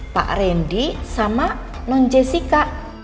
pak randy sama non jessica